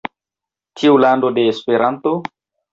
Tiu lando de Esperanto!?